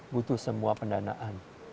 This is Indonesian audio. butuh semua pendanaan